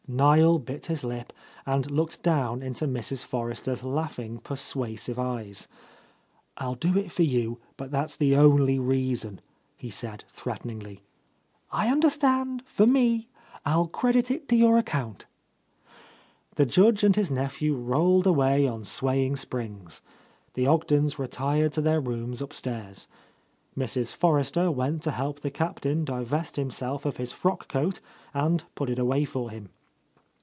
Niel bit his lip and looked down into Mrs. Forrester's laughing, persuasive eyes. "I'll do it for you, but that's the only reason," he said threateningly. "I understand, for mel I'll credit it to your account." The Judge and his nephew rolled away on swaying springs. The Ogdens retired to their rooms upstairs. Mrs. Forrester went to help the Captain divest himself of his frock coat, and put it away for him.